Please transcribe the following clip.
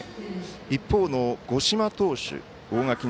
一方の五島投手大垣